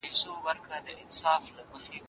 شعر د آند واند یا خیال ښکارندويي کوي.